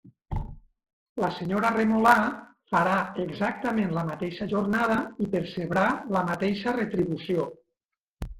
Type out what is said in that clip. La senyora Remolà farà exactament la mateixa jornada i percebrà la mateixa retribució.